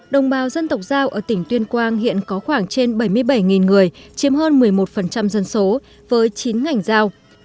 đồng bào dân tộc giao ở tỉnh tuyên quang hiện có khoảng trên bảy mươi bảy người chiếm hơn một mươi một dân số với chín ngành giao